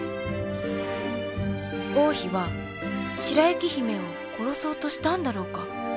王妃は白雪姫を殺そうとしたんだろうか。